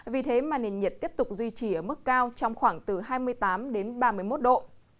vì thế mà nền nhiệt tiếp tục duy trì ở mức cao trong khoảng từ hai mươi tám ba mươi một độ